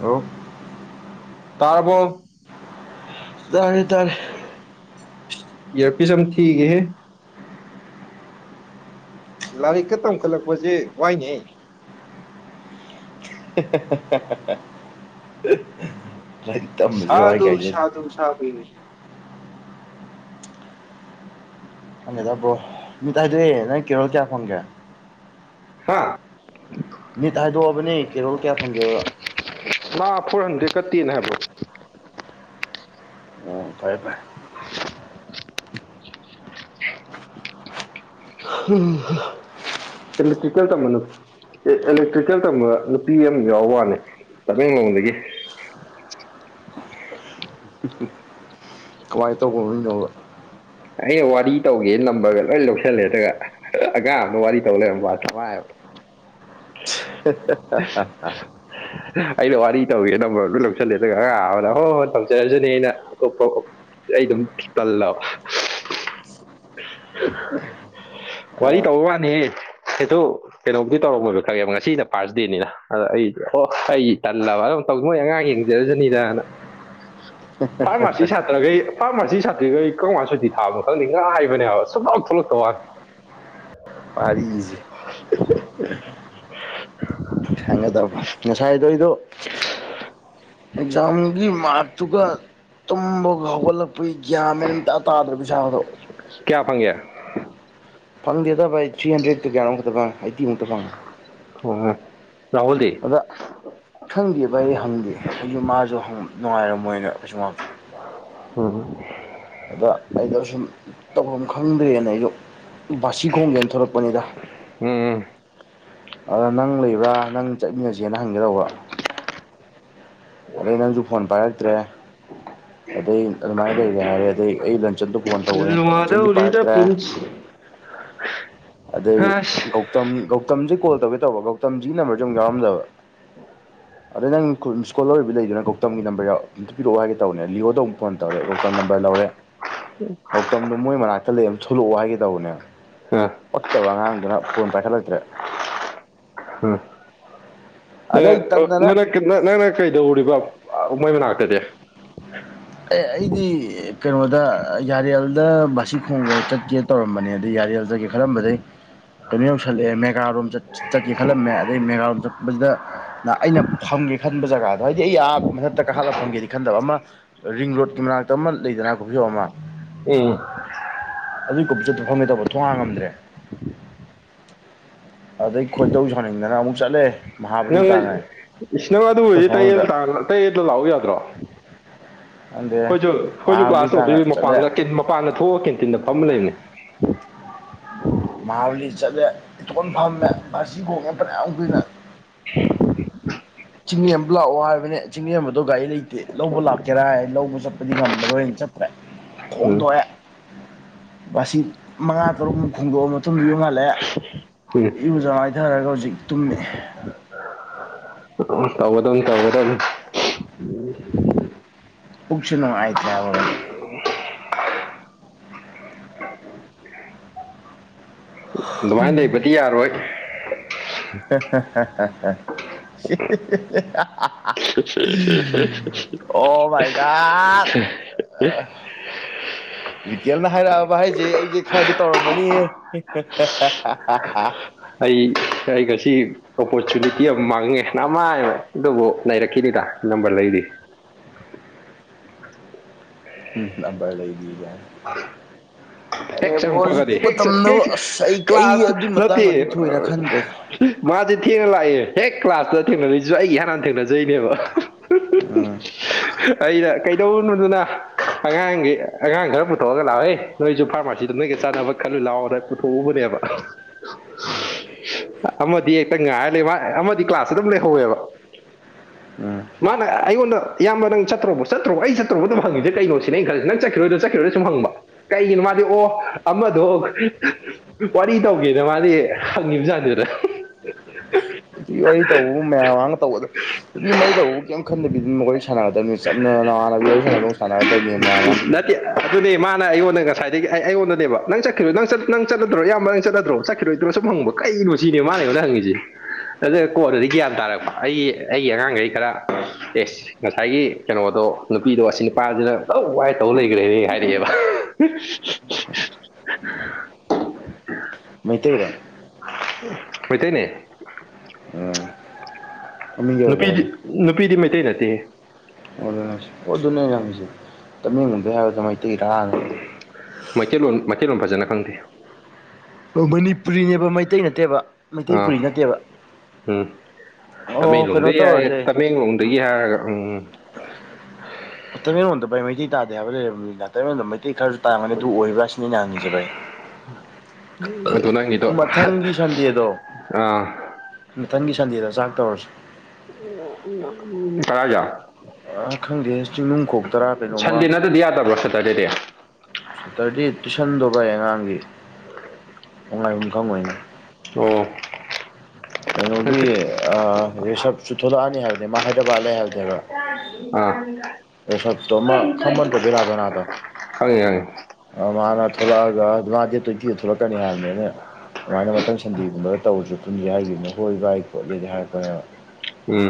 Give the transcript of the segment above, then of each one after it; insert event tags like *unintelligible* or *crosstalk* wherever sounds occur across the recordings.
hello ꯇꯥꯔꯕꯣ ꯇꯥꯔꯦ ꯇꯥꯔꯦ ꯌꯦꯔꯐꯤꯁ ꯑꯝꯇ ꯊꯤꯒꯦꯍꯦ ꯂꯥꯏꯔꯤꯛꯀ ꯇꯝꯈꯠꯂꯛꯄꯁꯦ ꯋꯥꯏꯅꯦ ꯍꯦ ꯍꯦ ꯍꯦ ꯂꯥꯢꯔꯤꯛ ꯇꯝꯕꯁꯦ ꯋꯥꯏꯅꯦ ꯀꯥꯏꯁꯦ ꯎ ꯁꯥꯥ *inaudible* ꯈꯪꯗꯦ ꯕ꯭ꯔꯣ ꯃꯤ ꯇꯥꯏꯗꯦ ꯅꯪ ꯀꯦꯔꯣꯜ ꯀꯌꯥ ꯐꯪꯒꯦ ꯍꯥꯥ ꯃꯤꯠ ꯍꯥꯏꯗꯣꯛꯑꯕꯅꯤ ꯀꯦꯔꯣꯜ ꯀꯌꯥ ꯐꯪꯒꯦꯕꯗ ꯃꯥ ꯐꯣꯔ ꯍꯟꯗ꯭ꯔꯦꯗ ꯀꯠꯇꯦꯅ ꯍꯥꯏꯕ꯭ꯔꯣ ꯑ ꯐꯥꯏ ꯎꯝ ꯀꯣ ꯇꯤꯀꯦꯜ ꯇ ꯃꯅ ꯑꯦꯂꯦꯛꯇ꯭ꯔꯤꯀꯦꯜ ꯇꯝꯕ ꯅꯨꯄꯤ ꯑꯃ ꯌꯥꯎꯕ ꯋꯥꯅꯤ ꯇꯃꯦꯡꯂꯣꯡꯗꯒꯤ ꯎ ꯉꯥꯏ ꯇ ꯀ ꯌꯧ ꯑꯩꯅ ꯋꯥꯔꯤ ꯇꯧꯒꯦ ꯅꯝꯕꯔꯒ ꯂꯣꯏ ꯂꯧꯁꯜꯂꯦ ꯑꯗꯨꯒ ꯑꯉꯥꯡ ꯑꯃꯒ ꯋꯥꯔꯤ ꯗꯧ ꯂꯩꯔꯝꯕꯩ ꯋꯥꯅꯦ ꯍꯦ ꯍꯦ ꯍꯥ ꯍꯥ ꯑꯩꯅ ꯋꯥꯔꯤ ꯇꯧꯒꯦ ꯅꯝꯕꯔꯗꯨ ꯂꯧꯁꯜꯂꯦ ꯑꯗꯨꯒ ꯑꯉꯥꯡ ꯑꯃꯅ ꯍꯣꯏ ꯍꯣꯏ ꯇꯧꯖꯔꯁꯨꯅꯣ ꯑꯩꯅ ꯑꯇꯣꯞꯄ ꯑꯩ ꯑꯗꯨꯝ ꯇꯜꯂꯕ ꯋꯥꯔꯤ ꯇꯧꯕ ꯋꯥꯅꯤ ꯍꯥꯏꯗꯣꯛ ꯀꯩꯅꯣꯝꯗꯤ ꯇꯧꯔꯝꯃꯣꯏꯕ ꯈꯪꯉꯦꯕ ꯉꯁꯤꯅ ꯄꯥꯔꯁ ꯗꯦꯅꯤꯅ ꯑꯗ ꯑꯩ ꯑꯣ ꯑꯩ ꯇꯜꯂꯕ ꯑꯗꯨꯝ ꯃꯣꯏ ꯑꯉꯥꯡ ꯌꯦꯡꯖꯔꯖꯅꯤꯗꯅ ꯐꯥꯔꯃꯥꯁꯤ ꯁꯥꯇ꯭ꯔꯈꯩ ꯐꯥꯔꯃꯥꯁꯤ ꯁꯥꯇ꯭ꯔꯈꯩ ꯀꯔꯝꯒꯥꯟ ꯁꯨꯇꯤ ꯊꯥꯕꯅꯣ ꯈꯪꯗꯦ ꯉꯥꯏꯕꯅꯦꯕ ꯁꯨꯛꯊꯣꯛ ꯊꯣꯛꯂꯛꯇꯦ ꯋꯥꯅꯤ ꯋꯥꯔꯤꯁꯦ *unintelligible* ꯈꯪꯒꯗꯧꯕ ꯉꯁꯥꯏꯗꯣ ꯑꯩꯗꯣ ꯌꯦꯛꯖꯝꯒꯤ ꯃꯥꯠꯇꯨꯒ ꯇꯨꯝꯕꯒ ꯍꯧꯒꯠꯂꯛꯄꯒꯤ ꯒ꯭ꯌꯥꯟꯃꯦꯅ ꯑꯝꯇꯥ ꯇꯥꯗ꯭ꯔꯕ ꯢꯁꯥꯗꯣ ꯀꯌꯥ ꯐꯪꯒꯦ ꯐꯪꯗꯦꯗ ꯚꯥꯢ ꯑꯩ ꯊ꯭ꯔꯤ ꯍꯟꯗ꯭ꯔꯦꯠꯀ ꯀꯌꯥꯅꯣꯝꯇ ꯐꯪꯉꯦ ꯑꯩꯠꯇꯤꯨꯛꯇ ꯐꯪꯉꯦ ꯑꯣ ꯔꯍꯨꯟꯗꯤ ꯑꯗ ꯈꯪꯗꯦ ꯚꯥꯏ ꯍꯪꯗꯦ ꯑꯩꯁꯨ ꯃꯥꯁꯨ ꯅꯨꯡꯉꯥꯏꯔꯝꯃꯣꯏꯅ ꯀꯩꯁꯨ ꯎꯝ ꯑꯗ ꯑꯩꯗꯣ ꯁꯨꯝ ꯇꯧꯐꯝ ꯈꯪꯗ꯭ꯔꯦꯅ ꯑꯩꯗꯣ ꯕꯥꯁꯤ ꯈꯣꯡꯒꯦꯅ ꯊꯣꯛꯂꯛꯄꯅꯤꯗ ꯎꯝ ꯑꯗ ꯅꯪ ꯂꯩꯕ꯭ꯔꯥ ꯅꯪ ꯆꯠꯃꯤꯟꯅꯁꯦꯅ ꯍꯪꯒꯦ ꯇꯧꯕ ꯑꯗꯩ ꯅꯪꯁꯨ ꯐꯣꯟ ꯄꯥꯏꯔꯛꯇ꯭ꯔꯦ ꯑꯗꯩ ꯑꯗꯨꯃꯥꯏꯅ ꯂꯩꯔꯦ ꯍꯥꯏꯔꯦ ꯑꯗꯩ ꯑꯩ ꯂꯟꯆꯟꯗꯨ ꯐꯣꯟ ꯇꯧꯕꯅꯤ ꯂꯟꯆꯟꯁꯨ ꯂꯨꯍꯗꯧꯔꯤꯗ ꯄꯥꯏꯔꯛꯇ꯭ꯔꯦ ꯄꯨꯟꯁꯤ *inaudible* ꯑꯗꯩ ꯑꯁ ꯒꯧꯇꯝ ꯒꯧꯇꯝꯁꯤ ꯀꯣꯜ ꯇꯧꯒꯦ ꯇꯧꯕ ꯒꯧꯇꯝꯁꯤꯒꯤ ꯅꯝꯕꯔꯁꯦ ꯑꯃꯨꯛ ꯌꯥꯎꯔꯝꯗꯕ *unintelligible* ꯑꯗꯣ ꯅꯪ ꯁ꯭ꯀꯣꯜꯔ ꯑꯣꯢꯕ ꯂꯩꯗꯅ ꯀꯧꯇꯝꯒꯤ ꯅꯝꯕꯔ ꯑꯝꯇ ꯄꯤꯔꯛꯑꯣ ꯍꯥꯢꯒꯦ ꯇꯧꯕꯅꯦ ꯂꯤꯌꯑꯣꯗ ꯑꯃꯨꯛ ꯐꯣꯟ ꯔꯤꯌꯣꯒꯤ ꯅꯝꯕꯔ ꯂꯧꯔꯦ ꯀꯧꯇꯝꯗꯣ ꯃꯣꯏ ꯃꯅꯥꯛꯇ ꯂꯩ ꯑꯃ ꯊꯣꯛꯂꯛꯑꯣ ꯍꯥꯏꯒꯦ ꯇꯧꯕꯅꯦ ꯑꯥ ꯄꯥꯛꯇꯕ ꯑꯉꯥꯡꯗꯨꯅ ꯐꯣꯟ ꯄꯥꯏꯈꯠꯂꯛꯇ꯭ꯔꯦ ꯑꯗꯩ *inaudible* ꯇꯟꯗꯅ ꯅꯪꯅ ꯀꯩꯗꯧꯔꯤꯕ ꯃꯣꯏ ꯃꯅꯥꯛꯇꯗꯤ ꯑꯦ ꯑꯩꯗꯤ ꯀꯩꯅꯣꯗ ꯌꯥꯔꯦꯜꯗ ꯕꯥꯁꯤ ꯈꯣꯡꯕ ꯆꯠꯀꯦ ꯇꯧꯔꯝꯕꯅꯦ ꯑꯗꯩ ꯌꯥꯔꯦ ꯌꯥꯎꯖꯒꯦ ꯈꯜꯂꯝꯕꯗꯩ ꯀꯩꯅꯣ ꯌꯧꯁꯜꯂꯛꯑꯦ ꯃꯦꯒꯥꯔꯣꯝ ꯆꯠꯀꯦ ꯈꯜꯂꯝꯃꯦ ꯑꯗꯩ ꯃꯦꯒꯥꯔꯣꯝ ꯆꯠꯄꯖꯤꯗ ꯅ ꯑꯩꯅ ꯐꯝꯒꯦ ꯈꯟꯕ ꯖꯒꯥꯗꯣ ꯍꯥꯏꯗꯤ ꯑꯩ ꯑꯥ ꯃꯊꯛꯇ ꯀꯥꯈꯠꯂ ꯐꯝꯒꯦꯗꯤ ꯈꯟꯗꯕ ꯑꯃ ꯔꯤꯡ ꯔꯣꯠꯀꯤ ꯃꯅꯥꯛꯇ ꯑꯃ ꯂꯩꯗꯅ ꯀꯣꯐꯤ ꯁꯣꯞ ꯑꯃ ꯎꯝ ꯑꯗꯨꯏ ꯀꯣꯐꯤꯁꯣꯞꯇꯣ ꯐꯝꯒꯦ ꯇꯧꯕ ꯊꯣꯡ ꯍꯥꯡꯉꯝꯗ꯭ꯔꯦ ꯑꯗꯩ ꯈꯣꯏꯗꯧ ꯁꯥꯎꯅꯤꯡꯗꯅ ꯑꯃꯨꯛ ꯆꯠꯂꯦ ꯃꯍꯥꯕꯂꯤ ꯅꯪ ꯇꯥꯟꯅ ꯏꯁ ꯅꯪ ꯑꯩꯈꯣꯏ ꯑꯗꯨꯕꯨꯗꯤ ꯇꯌꯦꯜ ꯐꯝꯐꯝꯗꯨꯗ ꯇꯌꯦꯜꯗ ꯂꯥꯛꯎꯨ ꯌꯥꯗ꯭ꯔꯣ ꯈꯪꯗꯦ ꯈꯣꯏꯁꯨ ꯈꯣꯏꯁꯨ ꯃꯍꯥꯕꯂꯤ ꯀ꯭ꯂꯥꯁ ꯇꯥꯟꯅ ꯇꯧꯗꯣꯏ ꯆꯠꯂꯦ ꯃꯄꯥꯟꯗ ꯃꯄꯥꯟꯗ ꯊꯣꯛꯑꯒ ꯀꯦꯟꯇꯤꯟꯗ ꯐꯝꯃ ꯂꯩꯕꯅꯦ ꯃꯍꯥꯕꯂꯤ ꯆꯠꯂꯦ ꯏꯇꯣꯟ ꯐꯝꯃꯦ ꯕꯥꯁꯤ ꯈꯣꯡꯉꯦ ꯐꯅꯌꯥꯝ ꯀꯨꯏꯅ *inaudible* ꯆꯤꯡꯃꯤ ꯑꯃꯗꯣ ꯂꯥꯛꯑꯣ ꯍꯥꯏꯕꯅꯦ ꯆꯤꯡꯃꯤ ꯑꯃꯗꯣ ꯒꯥꯔꯤ ꯂꯩꯇꯦ ꯂꯧꯕ ꯂꯥꯛꯀꯦꯔꯥ ꯂꯧꯕ ꯆꯠꯄꯗꯤ ꯉꯝꯃꯔꯣꯏꯅ ꯆꯠꯇ꯭ꯔꯦ ꯎꯝ ꯈꯣꯝꯗꯣꯛꯑꯦ ꯕꯥꯁꯤ ꯃꯉꯥ ꯇꯔꯨꯛꯃꯨꯛ ꯈꯣꯡꯗꯣꯛꯑ ꯃꯇꯨꯡꯗ ꯌꯨꯝ ꯍꯜꯂꯛꯑꯦ ꯍꯨꯏꯅ ꯏꯔꯨꯖ ꯃꯥꯏꯊꯔꯒ ꯍꯧꯖꯤꯛ ꯇꯨꯝꯃꯤ ꯇꯧꯒꯗꯧꯅꯤ ꯇꯧꯒꯗꯧꯅꯤ ꯅꯤ ꯄꯨꯛꯁꯦ ꯅꯨꯡꯉꯥꯏꯇ꯭ꯔꯦ ꯍꯥꯏꯕ ꯕꯥꯏ ꯑꯗꯨꯃꯥꯏ ꯂꯩꯕꯗꯤ ꯌꯥꯔꯣꯏ *inaudible* *unintelligible* ꯑꯣ ꯃꯥꯏ ꯒꯣꯠ ꯋꯤꯀꯦꯜꯅ ꯍꯥꯏꯔꯛꯑꯕ ꯍꯥꯏꯖꯦ ꯑꯩꯖꯦ ꯈꯔꯗꯤ ꯇꯧꯔꯝꯃꯅꯤꯍꯦ *inaudible* ꯑꯩ ꯑꯩꯒꯁꯤ ꯑꯣꯄꯣꯔꯆꯨꯅꯤꯇꯤ ꯌꯥꯝ ꯃꯥꯡꯉꯦ ꯅꯃꯥꯏꯃꯠ ꯑꯗꯨꯕꯨ ꯅꯩꯔꯛꯈꯤꯅꯤꯗ ꯅꯝꯕ꯭ꯔ ꯂꯩꯔꯤ ꯍꯨꯝ ꯅꯝꯕ꯭ꯔ ꯂꯩꯔꯤ ꯀꯥꯏ ꯍꯦꯛ ꯑꯦꯅꯤꯕꯣꯁ ꯆꯪꯉꯛꯄꯒꯗꯤ ꯍꯧꯖꯤꯛꯀꯤ ꯍꯦꯛ ꯃꯇꯝꯗꯕꯨ ꯍꯦꯛ ꯑꯁ ꯑꯩ ꯀꯩ ꯀ꯭ꯂꯥꯁ ꯑꯗꯨꯏ ꯃꯇꯥꯡꯗꯗꯤ ꯊꯣꯏꯅ ꯈꯟꯗ꯭ꯔꯦꯗ ꯃꯥꯖꯦ ꯊꯦꯡꯅ ꯂꯥꯛꯑꯦ ꯍꯦꯛ ꯀ꯭ꯂꯥꯁꯇ ꯊꯦꯡꯅꯔꯩꯁꯨ ꯑꯩꯒ ꯏꯍꯥꯟ ꯍꯥꯟꯅ ꯊꯦꯡꯅꯖꯩꯅꯦꯕ ꯎꯝ ꯑꯩꯅ ꯀꯩ ꯀꯩꯗꯧꯔꯨꯗꯣꯅ ꯑꯉꯥꯡꯒꯤ ꯑꯉꯥꯡ ꯈꯔ ꯄꯨꯊꯣꯛꯑꯒ ꯂꯥꯎꯍꯩ ꯅꯣꯏꯁꯨ ꯐꯥꯔꯝꯃꯥꯁꯤ ꯑꯗꯨ ꯅꯣꯏꯒ ꯆꯥꯟꯅꯕ ꯈꯜꯂꯨ ꯂꯥꯎꯅ ꯄꯨꯊꯣꯛꯎꯕꯅꯦꯕ ꯑꯃꯗꯤ ꯍꯦꯛꯇ ꯉꯥꯏꯔ ꯂꯩ ꯃꯥ ꯑꯃꯗꯤ ꯀ꯭ꯂꯥꯇ ꯑꯗꯨꯝ ꯂꯩꯍꯧꯋꯦꯕ ꯎꯝ ꯃꯥꯅ ꯑꯩꯉꯣꯟꯗ ꯏꯌꯥꯝꯕ ꯅꯪ ꯆꯠꯇ꯭ꯔꯣꯕ ꯆꯠꯇ꯭ꯔꯣꯕ ꯑꯩ ꯆꯠꯇ꯭ꯔꯣꯕ ꯑꯗꯨꯝ ꯛꯪꯉꯤꯁꯦ ꯀꯩꯅꯣ ꯁꯤꯅꯦ ꯑꯩꯅ ꯈꯜꯂꯤ ꯅꯪ ꯆꯠꯈꯤꯔꯣꯏꯗꯣ ꯆꯠꯈꯤꯔꯣꯏꯗꯣ ꯁꯨꯝ ꯍꯪꯕ ꯀꯩꯒꯤꯅꯣ ꯃꯥꯗꯤ ꯑꯣ ꯑꯃꯗꯣ ꯋꯥꯔꯤ ꯇꯧꯒꯦꯗ ꯃꯥꯗꯤ ꯍꯪꯉꯤꯕꯖꯥꯅꯤꯗꯅ ꯑꯗꯨꯒꯤ ꯋꯥꯔꯤ ꯇꯧꯕꯕꯨ ꯃꯌꯥꯝ ꯃꯃꯥꯡꯗ ꯇꯧꯕꯗ ꯅꯨꯄꯤ ꯃꯔꯤ ꯇꯧꯕꯕꯨ ꯀꯩꯝ ꯈꯟꯗꯕꯤꯗ ꯁꯥꯟꯅꯒꯗꯕꯅꯤ ꯆꯝꯅ ꯅꯃꯥꯟꯅꯕꯤ ꯋꯥꯔꯤ ꯁꯥꯟꯅꯕꯗꯧꯅ ꯁꯥꯟꯅꯒꯗꯕꯅꯤ ꯃꯌꯥꯝ ꯃꯥꯡ ꯅꯠꯇꯦ ꯑꯗꯨꯅꯦ ꯃꯥꯅ ꯑꯩꯉꯣꯟꯗ ꯉꯁꯥꯏꯗꯒꯤ ꯑꯩꯉꯣꯟꯗꯅꯦꯕ ꯅꯪ ꯆꯠꯈꯤꯔꯣꯏ ꯅꯪ ꯆꯠ ꯅꯪ ꯆꯠꯂꯗ꯭ꯔꯣ ꯏꯌꯥꯝꯕ ꯅꯪ ꯆꯠꯂꯗ꯭ꯔꯣ ꯈꯤꯔꯣꯏꯗ꯭ꯔꯣ ꯁꯨꯝ ꯍꯪꯕ ꯀꯩꯅꯣ ꯁꯤꯅꯦ ꯃꯥꯅ ꯑꯩꯉꯣꯟꯗ ꯍꯪꯉꯤꯁꯦ ꯑꯗ ꯀꯣꯟꯅꯗꯤ ꯒ꯭ꯌꯥꯟ ꯇꯥꯔꯛꯄ ꯑꯩꯒꯤ ꯑꯩꯒꯤ ꯑꯉꯥꯡꯈꯩ ꯈꯔ ꯑꯦꯁ ꯉꯁꯥꯏꯒꯤ ꯀꯩꯅꯣꯗꯣ ꯅꯨꯄꯤꯗꯣ ꯑꯁꯤ ꯅꯨꯄꯥꯖꯤꯅ ꯂꯧ ꯋꯥꯏ ꯇꯧ ꯂꯩꯒ꯭ꯔꯦꯍꯦ ꯍꯥꯏꯔꯛꯑꯦꯕ ꯍ *unintelligible* *inaudible* ꯃꯩꯇꯩꯔꯣ ꯃꯩꯇꯩꯅꯦ ꯑ ꯅꯨꯄꯤꯗꯤ ꯅꯨꯄꯤꯗꯤ ꯃꯩꯇꯩ ꯅꯠꯇꯦ ꯑꯗꯨꯅꯦ ꯍꯥꯏꯁꯦ ꯑꯗꯨꯅꯦ ꯑꯩꯅ ꯍꯪꯏꯁꯦ ꯇꯝꯃꯦꯡꯂꯣꯡꯗꯩ ꯍꯥꯏꯔꯒ ꯃꯩꯇꯩ ꯔꯥꯅ ꯃꯩꯇꯩꯂꯣꯟ ꯃꯩꯇꯩꯂꯣꯟ ꯐꯖꯅ ꯈꯪꯗꯦ ꯃꯅꯤꯄꯨꯔꯤꯅꯦꯕ ꯃꯩꯇꯩ ꯅꯠꯇꯦꯕ ꯃꯩꯇꯩ ꯑꯥ ꯄꯨꯨꯔꯤ ꯅꯠꯇꯦꯕ ꯎꯝ ꯑꯣ ꯀꯩꯅꯣ ꯇꯃꯦꯡꯂꯣꯡꯗꯒꯤ ꯍꯥꯏꯦ ꯇꯧꯔꯁꯦ ꯇꯃꯦꯡꯂꯣꯡꯗꯒꯤ ꯍꯥꯏꯔꯒ ꯎꯝ ꯇꯃꯦꯡꯂꯣꯡꯘ ꯕꯥꯏ ꯃꯩꯇꯩ ꯇꯥꯗꯦ ꯍꯥꯏꯕ ꯂꯩꯔꯕ ꯇꯩꯔꯣꯟꯗ ꯃꯩꯇꯩ ꯈꯔꯁꯨ ꯇꯥꯔꯝꯒꯅꯤ ꯑꯗꯨ ꯑꯣꯏꯕ꯭ꯔꯥ ꯁꯤꯅꯤ ꯑꯩꯅ ꯍꯪꯉꯤꯖꯦ ꯕꯥꯏ ꯑꯗꯨ ꯅꯪꯒꯤꯗꯣ ꯃꯊꯪꯒꯤ ꯁꯟꯗꯦꯗꯣ ꯑ ꯃꯊꯪꯒꯤ ꯁꯟꯗꯦꯗ ꯆꯥꯛ ꯇꯧꯔꯁꯤ *unintelligible* ꯑ ꯈꯪꯗꯦ ꯆꯤꯡꯅꯨꯡꯈꯣꯛꯇꯔꯥ ꯀꯩꯅꯣꯝꯃ ꯁꯟꯗꯦ ꯅꯠꯇꯗꯤ ꯌꯥꯗꯕ꯭ꯔꯣ ꯁꯦꯇꯔꯗꯦꯗꯤ ꯁꯇꯔꯗꯦ ꯇꯨꯏꯁꯟꯗꯕ ꯑꯉꯥꯡꯒꯤ ꯉꯥꯏꯍꯨꯝ ꯈꯪꯉꯣꯏꯅꯤ ꯑꯣ ꯀꯩꯅꯣꯒꯤ ꯔꯤꯁꯞꯁꯨ ꯊꯣꯛꯂꯛꯑꯅꯤ ꯍꯥꯏꯕꯅꯦ ꯃꯥ ꯍꯥꯏꯗ꯭ꯔꯕꯥꯠ ꯂꯩ ꯍꯥꯏꯕꯅꯦꯕ ꯑꯥ ꯁꯞꯇꯣ ꯑꯃ ꯈꯃꯟ꯭ꯔꯣ ꯂꯗꯣꯅꯥꯗ ꯈꯪꯑꯦ-ꯈꯪꯑꯦ ꯑ ꯃꯥꯅ ꯊꯣꯛꯂꯛꯑꯒ ꯃꯥꯗꯤ ꯇꯤ ꯗꯦꯠ ꯇꯣꯟꯇꯤꯗ ꯊꯣꯛꯂꯛꯀꯅꯤ ꯍꯥꯏꯕꯅꯦ ꯑꯗꯨꯅ ꯑꯗꯨꯃꯥꯏꯅ ꯃꯊꯪ ꯁꯟꯗꯦꯒꯨꯝꯕꯘ ꯇꯧꯔꯁꯨ ꯄꯨꯟꯁꯦ ꯍꯥꯏꯈꯤꯕꯅꯤ ꯍꯣꯏ ꯕꯥꯏ ꯈꯣꯠꯂꯦꯗꯤ ꯍꯥꯏꯔꯛꯄꯅꯦꯕ ꯎꯝ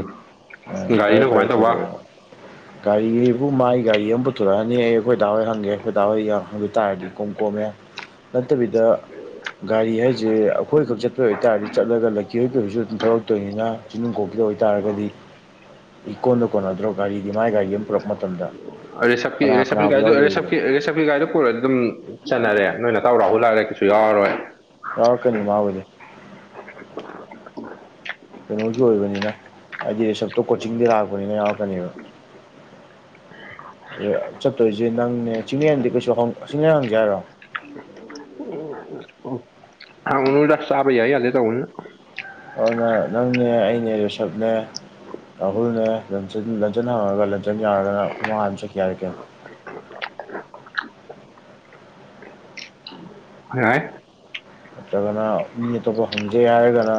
ꯑ ꯐꯔꯦ ꯒꯥꯔꯤꯅ ꯐꯔꯦ ꯀꯃꯥꯏꯅ ꯇꯧꯕ ꯆꯠꯂꯨꯔꯣ ꯒꯥꯔꯤ ꯍꯥꯏꯕꯨ ꯃꯥꯒꯤ ꯒꯥꯔꯤ ꯑꯃ ꯄꯨꯊꯣꯔꯛꯑꯅꯤ ꯑꯩ ꯑꯩꯈꯣꯏ ꯗꯥ ꯍꯣꯏ ꯍꯪꯒꯦ ꯑꯩꯈꯣꯏ ꯗꯥ ꯍꯣꯏ ꯌꯥꯎꯘ ꯇꯥꯏꯔꯗꯤ ꯏꯀꯣꯝ ꯀꯣꯝꯃꯦ ꯅꯠꯇꯕꯤꯗ ꯒꯥꯔꯤ ꯍꯥꯏꯁꯦ ꯑꯩꯈꯣꯏꯈꯛ ꯆꯠꯄꯩ ꯑꯣꯏꯇꯥꯔꯗꯤ ꯆꯠꯂꯒ ꯂꯩ ꯀꯤꯌꯔ ꯀꯤꯕꯁꯨ ꯑꯗꯨꯝ ꯊꯣꯛꯂꯛꯇꯣꯏꯅꯤꯅ ꯆꯤꯡꯅꯨꯡ ꯈꯣꯛꯀꯤ ꯑꯣꯏꯇꯥꯔꯒꯗꯤ ꯏ ꯀꯣꯟꯗ ꯀꯣꯟꯅꯗ꯭ꯔꯣ ꯒꯥꯔꯤꯗꯤ ꯃꯥꯏ ꯒꯥꯔꯤ ꯑꯃ ꯄꯨꯔꯛꯄ ꯃꯇꯝꯗ ꯔꯦꯁꯞꯀꯤ ꯀꯅꯥ ꯀꯅꯥꯕꯨ ꯔꯦꯁꯞꯀꯤꯒꯥꯔꯤꯘꯣ ꯌꯥꯎꯗꯣꯔꯤꯒꯦ ꯔꯦꯁꯞꯀꯤ ꯔꯦꯁꯞꯀꯤꯒꯥꯔꯤꯘꯣ ꯄꯨꯔꯘꯤ ꯑꯗꯨꯝ ꯆꯠꯅꯔꯦ ꯅꯣꯏ ꯅꯇꯥꯎ ꯔꯥꯍꯨꯟ ꯍꯥꯏꯔꯦ ꯀꯩꯁꯨ ꯌꯥꯎꯔꯣꯏ ꯌꯥꯎꯔꯛꯀꯅꯤ ꯃꯥꯕꯨꯘꯤ ꯀꯩꯅꯣꯒꯤ ꯑꯣꯏꯕꯅꯤꯅ ꯍꯥꯏꯗꯤ ꯁꯞꯇꯣ ꯀꯣꯆꯤꯡꯗꯤ ꯂꯥꯛꯄꯅꯤꯅ ꯌꯥꯎꯔꯛꯀꯅꯤꯕ ꯑ ꯆꯠꯇꯣꯏꯁꯦ ꯅꯪꯅꯦ ꯆꯤꯡꯂꯦꯟꯗꯤ ꯀꯩꯁꯨ ꯆꯤꯡꯂꯦꯟ ꯍꯪꯁꯦ ꯍꯥꯏꯔꯣ ꯎ ꯍꯪꯎꯅꯨꯘ ꯆꯥꯕ ꯌꯥꯏ ꯌꯥꯘꯦ ꯇꯧꯕꯅꯤꯅ ꯑꯗꯨꯅ ꯅꯪꯅꯦ ꯑꯩꯅꯦ ꯔꯤꯁꯞꯅꯦ ꯔꯥꯍꯨꯜꯅꯦ ꯂꯟꯆꯟ-ꯂꯟꯆꯟ ꯍꯧꯔꯒ ꯑꯗꯨꯝ ꯌꯥꯔꯒꯅ ꯑꯩꯈꯣꯢ ꯃꯃꯥꯡ ꯑꯗꯨ ꯆꯠꯈꯤ ꯌꯥꯔꯦ ꯀꯩꯅꯣ *inaudible* ꯍꯣꯢ ꯌꯥꯏ ꯅꯠꯇ꯭ꯔꯒꯅ ꯃꯤ ꯑꯇꯣꯞꯄ ꯐꯪꯖꯦ ꯍꯥꯏꯔꯒꯅ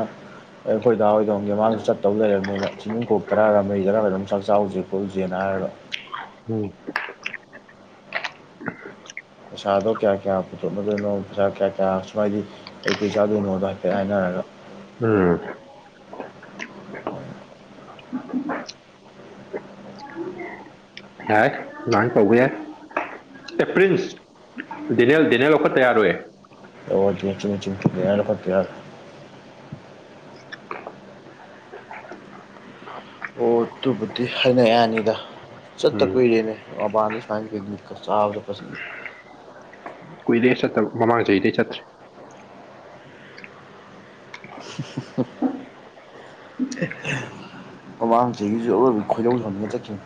ꯑꯩꯈꯣꯏ ꯗꯥ ꯍꯣꯏꯍꯪꯒꯦ ꯃꯥꯁꯨ ꯆꯠꯄ ꯇꯧ ꯂꯩꯔꯕꯅꯤꯅ ꯆꯤꯡꯅꯨꯡ ꯀꯣꯛ ꯇꯔꯥ ꯔꯃꯩꯗꯔ ꯀꯩꯅꯣꯝ ꯆꯥꯛ ꯆꯥꯎꯁꯦ ꯈꯣꯠꯂꯨꯁꯦꯅ ꯍꯥꯏꯔꯒ ꯎꯝ ꯄꯩꯁꯥꯗꯣ ꯀꯌꯥ ꯀꯌꯥ ꯄꯨꯊꯣꯛꯅꯗꯣꯏꯅꯣ ꯄꯩꯁꯥ ꯀꯌꯥ ꯀꯌꯥ ꯁꯨꯃꯥꯏꯗꯤ ꯀꯩ-ꯀꯩ ꯆꯥꯗꯣꯏꯅꯣꯗꯣ ꯍꯥꯏꯐꯦꯠ ꯍꯥꯏꯅꯔꯒ *unintelligible* *inaudible* ꯌꯥꯏ ꯂꯥꯟ ꯄꯧꯕ ꯌꯥꯏ ꯑꯦ ꯄ꯭ꯔꯤꯟꯁ ꯗꯤꯅꯦꯜ ꯗꯤꯅꯦꯜ ꯂꯧꯈꯠꯇ ꯌꯥꯔꯣꯏꯑꯦ *unintelligible* ꯑꯣ ꯑꯗꯨꯕꯨꯗꯤ ꯍꯥꯏꯅ ꯌꯥꯅꯤꯗ ꯆꯠꯇ ꯎꯝ ꯀꯨꯏꯔꯦꯅꯦ ꯃꯄꯥꯟꯗ ꯁꯨꯃꯥꯏꯅ ꯄꯤꯛꯅꯤꯛꯀ ꯆꯥꯕ ꯆꯠꯄꯁꯦ ꯀꯨꯏꯔꯦ ꯆꯠꯇꯕ ꯃꯃꯥꯡ ꯆꯍꯤꯗꯩ ꯆꯠꯇ꯭ꯔꯦ *unintelligible* ꯃꯃꯥꯡ ꯆꯍꯤꯒꯤꯁꯨ ꯑꯔꯣꯏꯕ ꯈꯣꯏꯗꯧ ꯁꯝꯅ ꯆꯠꯈꯤꯕ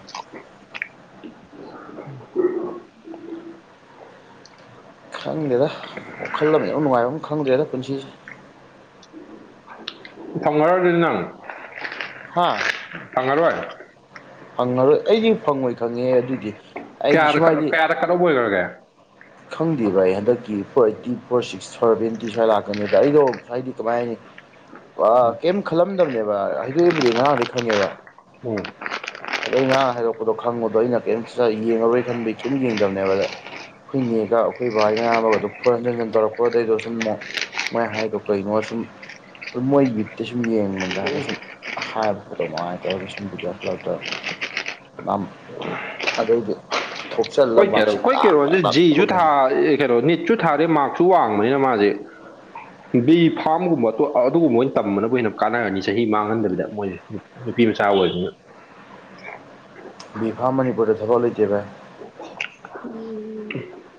*inaudible* ꯈꯪꯗꯦꯗ ꯋꯥꯈꯜ ꯑꯃ ꯏꯅꯨꯡ ꯅꯨꯡꯉꯥꯏꯕꯝꯒ ꯈꯪꯗ꯭ꯔꯦꯗ ꯄꯨꯟꯁꯤꯁꯦ ꯐꯪꯉꯔꯣꯏ ꯑꯗꯨꯗꯤ ꯅꯪ ꯍꯥꯥ ꯐꯪꯉꯔꯣꯏ ꯐꯪꯉꯔꯣꯏ ꯑꯩꯗꯤ ꯐꯪꯉꯣꯏ ꯈꯪꯉꯦ ꯑꯗꯨꯗꯤ ꯑꯩꯗꯤ ꯀꯌꯥꯗ ꯀꯠ ꯁꯨꯃꯥꯏꯗꯤ ꯀꯌꯥꯗ ꯀꯠ ꯑꯣꯐ ꯑꯣꯏꯈ꯭ꯔꯒꯦ ꯈꯪꯗꯦ ꯕꯥꯏ ꯑꯩ ꯍꯟꯗꯛꯀꯤ four eighty four six seventy ꯁ꯭ꯋꯥꯏ ꯂꯥꯛꯀꯅꯤꯗ ꯑꯩꯗꯣ ꯍꯥꯏꯗꯤ ꯀꯃꯥꯏ ꯍꯥꯏꯅꯤ ꯀꯩꯝ ꯈꯜꯂꯝꯗꯕꯅꯦꯕ ꯍꯩꯗꯣꯛꯏꯕꯨꯗꯤ ꯉꯔꯥꯡꯗꯒꯤ ꯈꯪꯉꯦꯕ ꯎꯝ ꯑꯗꯩ ꯉꯔꯥꯡ ꯍꯥꯏꯗꯣꯛꯔꯛꯄꯗꯣ ꯈꯪꯕꯗꯣ ꯑꯩꯅ ꯀꯦꯝꯇ ꯌꯦꯡꯉꯔꯣꯏ ꯈꯟꯕꯒꯤ ꯀꯦꯝ ꯌꯦꯡꯗꯕꯅꯦꯕꯗ ꯑꯩꯈꯣꯏ ꯅꯦꯒ ꯑꯩꯈꯣꯏ ꯕꯥꯏ ꯃꯌꯥꯝ ꯑꯃꯒ ꯑꯗꯨ ꯐꯣꯟ ꯍꯟꯖꯟ-ꯍꯟꯖꯟ ꯇꯧꯔꯛꯄ ꯑꯗꯩ ꯁꯨꯝ ꯑꯃꯨꯛ ꯃꯣꯏ ꯍꯥꯏꯗꯣ ꯀꯩꯅꯣ ꯁꯨꯝ ꯑꯗꯨ ꯃꯣꯏ ꯌꯨꯠꯇ ꯁꯨꯝ ꯌꯦꯡꯕꯗ ꯍꯥꯏꯐꯦꯠ ꯁꯨꯝ ꯍꯥꯠꯄꯗ ꯅꯨꯡꯉꯥꯏꯇꯕ ꯁꯨꯝ ꯕꯤꯠ ꯌꯥꯎꯁꯟꯂꯛ *unintelligible* ꯑꯗꯥꯎꯗꯤ ꯑꯩꯈꯣꯏ ꯀꯦꯔꯧ ꯑꯩꯈꯣꯏ ꯀꯦꯔꯣꯟꯁꯦ ꯖꯤꯖꯨ ꯈꯣꯡꯖꯟ ꯊꯥ ꯀꯩꯅꯣ ꯅꯤꯠꯁꯨ ꯊꯥꯔꯦ ꯃꯥꯛꯁꯨ ꯋꯥꯡꯕꯅꯤꯅ ꯃꯥꯁꯦ ꯕꯤ ꯐꯥꯔꯝꯒꯨꯝꯕ ꯑꯗꯨꯒꯨꯝꯕ ꯑꯣꯏꯅ ꯇꯝꯕꯅꯕꯨ ꯍꯦꯟꯅ ꯀꯥꯟꯅꯔꯅꯤ ꯆꯍꯤ ꯃꯥꯡꯍꯟꯗꯕꯤꯗ ꯃꯣꯏꯖꯦ ꯅꯨꯄꯤ ꯃꯆꯥ ꯑꯣꯏꯗꯨꯅ ꯕꯤꯐꯥꯝ ꯃꯅꯤꯄꯨꯔꯗ ꯊꯕꯛ ꯂꯩꯇꯦ ꯕꯥꯏ ꯎꯝ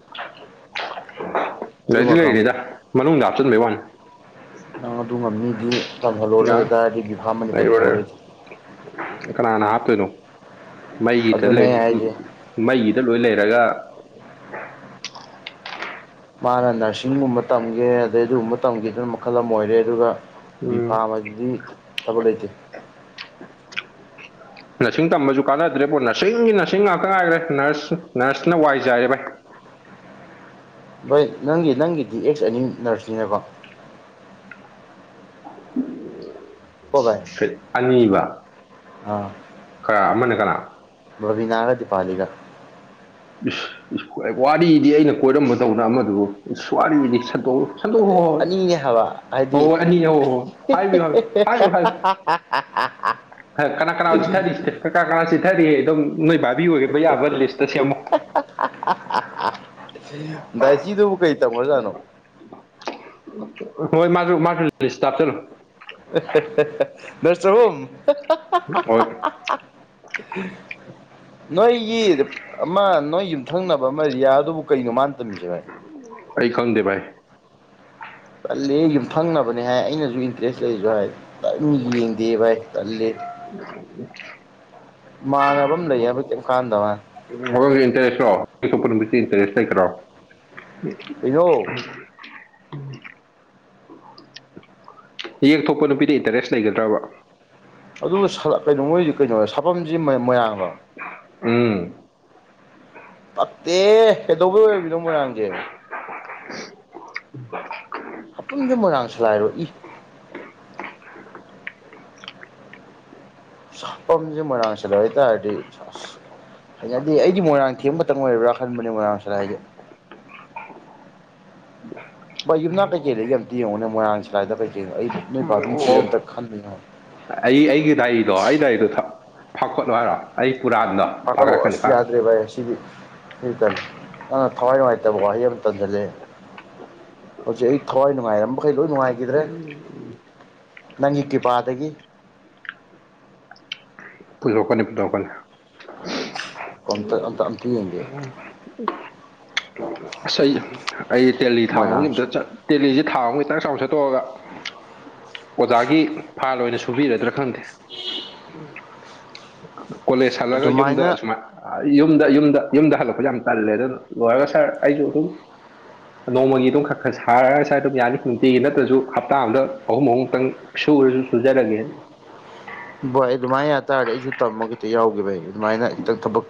ꯂꯩꯗꯤ ꯑꯗꯨꯃ ꯈꯪꯉꯨ ꯂꯩꯔꯤꯅꯤꯗ ꯃꯅꯨꯡꯗ ꯍꯥꯞꯆꯤꯟꯕꯩ ꯋꯥꯅꯤ ꯅꯪ ꯑꯗꯨ ꯉꯝꯅꯤꯗꯤ ꯇꯝꯍꯜꯂꯣꯗ ꯌꯥꯔꯦ ꯇꯥꯔꯗꯤ ꯕꯤꯐꯥ ꯃꯅꯤꯄꯨꯔꯗ ꯂꯩꯔꯣꯏ ꯇꯝꯍꯜꯂꯣꯏꯁꯤꯦ ꯂꯩꯔꯣꯏ ꯀꯅꯥꯅ ꯍꯥꯞꯇꯣꯏꯅꯣ ꯃꯩꯒꯤꯗ ꯑꯗꯨꯅꯦ ꯂꯩ ꯑꯩ ꯍꯥꯏꯁꯦ ꯃꯩꯒꯤꯗ ꯂꯣꯏ ꯂꯩꯔꯒ ꯃꯥꯅ ꯅꯔꯁꯤꯡꯒꯨꯝꯕ ꯇꯝꯒꯦ ꯑꯗꯩ ꯑꯗꯨꯒꯨꯝꯕ ꯇꯝꯒꯦꯗꯨꯅ ꯃꯈꯜ ꯑꯃ ꯑꯣꯏꯔꯦ ꯑꯗꯨꯒ ꯎꯝ ꯕꯤꯐꯥ ꯃꯗꯤ ꯊ ꯂꯩ ꯂꯩꯇꯦ ꯅꯔꯁꯤꯡ ꯇꯝꯕꯁꯨ ꯀꯥꯟꯅꯗ꯭ꯔꯦꯕꯣ ꯅꯔꯁꯤꯡꯒꯤ ꯅꯔꯁꯤꯡ ꯉꯥꯛꯇ ꯉꯥꯏꯈ꯭ꯔꯦ ꯅꯔꯁ ꯅꯔꯁꯅ ꯋꯥꯏꯖꯥꯏꯔꯦ ꯚꯥꯏ ꯣꯏ ꯅꯪꯒꯤ ꯅꯪꯒꯤꯗꯤ ꯑꯦꯛꯁ ꯑꯅꯤ ꯅꯔꯁꯅꯤꯅꯦꯀꯣ ꯀꯣ ꯚꯥꯏ ꯑꯅꯤꯕ ꯑꯃꯅ ꯀꯅꯥ ꯃꯕꯕꯤꯅꯥꯒ ꯗꯤꯄꯥꯂꯤꯒ ꯋꯥꯔꯤꯗꯤ ꯑꯩꯅ ꯀꯣꯏꯔꯝꯕꯗꯧꯅ ꯑꯃꯗꯨꯕꯨ ꯏꯁ ꯋꯥꯔꯤꯗꯤ ꯁꯠꯇꯣꯛꯎ ꯑꯅꯤꯅꯦ ꯍꯥꯏꯕ ꯍꯥꯏꯗꯤ ꯑꯅꯤ ꯍꯣꯏ ꯍꯣꯏ ꯍꯥꯏꯕꯤꯌꯨ ꯍꯥꯏꯕꯤꯌꯨ ꯑ ꯍꯥꯏꯌꯨ ꯍꯥꯏꯌꯨ ꯑꯥ ꯑꯥ ꯀꯅꯥ ꯀꯅꯥ ꯆꯤꯊꯔꯤꯁꯤ ꯀꯅꯥ ꯀꯅꯥ ꯆꯤꯊꯔꯤꯦ ꯑꯗꯨꯝ ꯅꯣꯏ ꯚꯥꯕꯤ ꯑꯣꯏꯕ ꯌꯥꯕ ꯂꯤꯁꯇ ꯁꯦꯝꯃꯣ ꯗꯥꯏ ꯁꯤꯗꯨꯕꯨ ꯀꯩ ꯇꯧꯈ꯭ꯔꯖꯥꯠꯅꯣ ꯍꯣꯏ ꯃꯥꯁꯨ ꯃꯥꯁꯥꯞꯇꯔꯨ *unintelligible* ꯍꯣꯏ *inaudible* ꯅꯣꯏꯒꯤ ꯑꯃ ꯅꯣꯏ ꯌꯨꯝꯊꯪꯅꯕ ꯑꯃꯔꯤꯌꯥ ꯑꯗꯨꯕꯨ ꯀꯩꯅꯣ ꯃꯥꯅ ꯇꯝꯃꯤꯁꯦꯚꯥꯏ ꯑꯩ ꯈꯪꯗꯦꯚꯥꯏ ꯀꯜꯂꯦ ꯌꯨꯝꯊꯪꯅꯕꯅꯦ ꯍꯥꯏ ꯑꯩꯅꯁꯨ ꯏꯟꯇꯔꯦꯁ ꯂꯩꯁꯨ ꯍꯥꯏ ꯀꯝ ꯌꯦꯡꯗꯦ ꯚꯥꯏ ꯀꯜꯂꯦ *inaudible* ꯃꯥꯟꯅꯕ ꯑꯃ ꯂꯩ ꯍꯧꯕ ꯀꯩ ꯀꯥꯟꯗꯅ *unintelligible* *unintelligible* ꯌꯦꯛꯊꯣꯛꯄ ꯅꯨꯄꯤꯗ ꯏꯟꯇꯔꯦꯁ ꯂꯩꯒꯗ꯭ꯔꯕ ꯑꯗꯨꯒ ꯀꯩꯅꯣ ꯃꯣꯏꯁꯤ ꯀꯩꯅꯣ ꯁꯥꯐꯝꯁꯤ ꯃꯣꯏꯔꯥꯡꯗꯣ ꯎꯝ ꯄꯠꯇꯦ ꯍꯩꯗꯧꯕꯩ ꯑꯣꯏꯕꯤꯅꯣ ꯃꯣꯏꯔꯥꯡꯁꯦ ꯍꯥꯄꯨꯝꯁꯦ ꯃꯣꯏꯔꯥꯡ ꯁꯂꯥꯏꯔꯛꯏ ꯁꯄꯝꯁꯦ ꯃꯥꯡꯁꯤꯗ ꯑꯣꯏꯇꯥꯔꯗꯤ ꯍꯥꯏꯩꯅꯗꯗꯤ ꯑꯩꯗꯤ ꯃꯣꯏꯔꯥꯡ ꯊꯦꯝꯕ ꯃꯇꯝꯪ ꯑꯣꯏꯔꯕ꯭ꯔꯥ ꯈꯟꯕꯅꯦ ꯃꯣꯏꯔꯥꯡꯁꯤꯗ ꯍꯥꯏꯁꯦ ꯚꯏ ꯌꯨꯝꯅꯥ ꯀꯩꯀꯩꯗꯒꯤ ꯑꯃꯇ ꯌꯦꯡꯉꯨꯅꯦ ꯃꯣꯏꯔꯥꯡ ꯁꯂꯥꯏꯗ ꯀꯩꯀꯩꯅꯣ ꯑꯩ ꯅꯣꯏ ꯎꯝ ꯚꯥꯚꯡ ꯆꯤꯗ ꯑꯝꯇ ꯑꯣ ꯈꯟꯕꯣ ꯑꯩ ꯑꯩꯒꯤ ꯗꯥꯏꯗꯣ ꯑꯩ ꯗꯥꯏꯔꯤꯗꯣ ꯐꯥꯀꯠꯂꯣ ꯍꯥꯏꯔꯣ ꯑꯩ ꯄꯨꯔꯥꯟꯗꯣ ꯄꯥꯈꯠꯂꯛ ꯑ ꯐꯥꯒꯠꯂꯛꯀꯅꯤ ꯑꯁꯤ ꯐꯥ ꯌꯥꯗ꯭ꯔꯦ ꯚꯥꯏ ꯁꯤꯗꯤ ꯏꯇꯅꯦꯦ ꯑ ꯊꯋꯥꯏ ꯅꯨꯡꯉꯥꯏꯇꯕꯣꯍꯩ ꯑꯃ ꯇꯟꯁꯤꯜꯂꯦ ꯍꯧꯖꯤꯛ ꯑꯩ ꯊꯋꯥꯏ ꯅꯨꯡꯉꯥꯏꯔꯝꯕ ꯃꯈꯈꯩ ꯂꯣꯏ ꯅꯨꯡꯉꯥꯏꯈꯤꯗ꯭ꯔꯦ ꯎꯝ ꯅꯪꯒꯤ ꯀ꯭ꯔꯤꯄꯥꯗꯒꯤ ꯄꯨꯊꯣꯛꯀꯅꯤ ꯄꯨꯊꯣꯛꯀꯅꯤ *inaudible* ꯑꯝꯇ ꯑꯝꯇ ꯑꯝꯇ ꯌꯦꯡꯒꯦ ꯉꯁ ꯑꯩ ꯗꯦꯍꯤ ꯊꯥ ꯑꯃꯒꯤꯒꯤ ꯃꯣꯏꯔꯥꯡꯁꯨ ꯑꯝꯇ ꯆꯠ ꯇꯦꯂꯤꯁꯦ ꯊꯥ ꯑꯃ ꯏꯈꯤꯇꯪ ꯆꯥꯎ ꯁꯠꯇꯣꯛꯑꯒ ꯑꯣꯖꯥꯒꯤ ꯐꯥꯜ ꯑꯣꯏꯅ ꯁꯨꯕꯤꯔꯗ꯭ꯔꯥ ꯈꯪꯗꯦ ꯀꯣꯂꯦꯖ ꯍꯜꯂꯒ ꯌꯨꯝꯗ ꯑꯗꯨꯃꯥꯏꯅ ꯑꯁꯨꯃꯥꯏ ꯌꯨꯝꯗ ꯌꯨꯝꯗ ꯌꯨꯝꯗ ꯍꯜꯂꯛꯄꯁꯨ ꯌꯥꯝ ꯇꯜꯂꯦ ꯑꯗꯨꯅ ꯂꯣꯏꯔꯒ ꯁꯥꯔ ꯑꯩꯁꯨ ꯑꯗꯨꯝ ꯅꯣꯡꯃꯒꯤ ꯑꯗꯨꯝ ꯈꯔ ꯈꯔ ꯁꯥꯔꯒ ꯁ꯭ꯋꯥꯏ ꯑꯗꯨꯝ ꯌꯥꯅꯤ ꯅꯨꯡꯇꯤꯒꯤ ꯅꯠꯇ꯭ꯔꯁꯨ ꯍꯞꯇꯥ ꯑ ꯑꯃꯗ ꯑꯍꯨꯝ ꯑꯍꯨꯝꯨꯛꯇꯪ ꯁꯨ ꯁꯨꯖꯔꯒꯦ ꯚꯣꯏ ꯑꯗꯨꯃꯥꯏꯅ ꯌꯥꯇꯥꯥꯔꯗꯤ ꯑꯩꯁꯨ ꯇꯝꯃ ꯈꯤꯇ ꯌꯥꯎꯈꯤꯕꯕꯩ ꯑꯗꯨꯃꯥꯏꯅ ꯈꯤꯇꯪ ꯊꯕꯛ